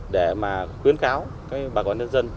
để khuyến kháo bà con nhân dân